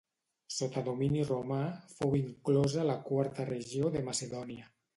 Sota domini romà fou inclosa a la quarta regió de Macedònia.